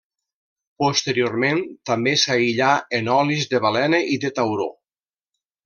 Posteriorment també s'aïllà en olis de balena i de tauró.